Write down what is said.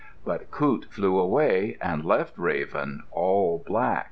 But Coot flew away and left Raven all black.